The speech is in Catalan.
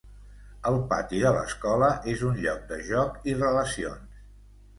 El pati de l'escola és un lloc de joc i relacions.